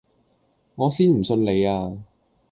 我先唔信你呀